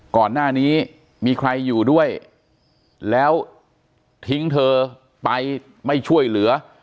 ก่อนหน้านี้มีใครอยู่ด้วยแล้วทิ้งเธอไปไม่ช่วยเหลือ